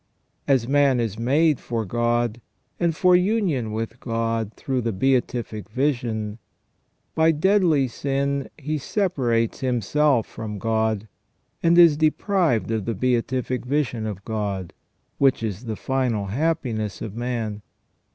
As man is made for God, and for union with God through the beatific vision, by deadly sin he separates himself from God, and is deprived of the beatific vision of God, which is the final happiness of man.